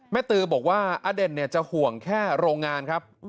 ตือบอกว่าอเด่นจะห่วงแค่โรงงานครับ